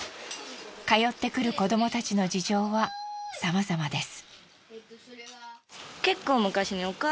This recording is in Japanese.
通ってくる子どもたちの事情はさまざまです。